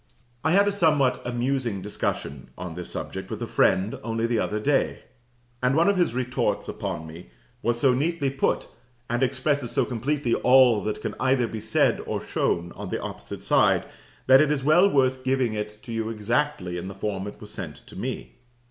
I had a somewhat amusing discussion on this subject with a friend, only the other day; and one of his retorts upon me was so neatly put, and expresses so completely all that can either be said or shown on the opposite side, that it is well worth while giving it you exactly in the form it was sent to me.